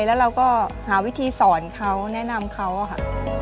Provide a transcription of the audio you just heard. แล้วเราก็หาวิธีสอนเขาแนะนำเขาค่ะ